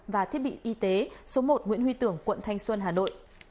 và thiết bị y tế số một nguyễn huy tưởng quận thanh xuân hà nội